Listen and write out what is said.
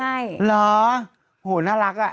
เหรอโหน่ารัก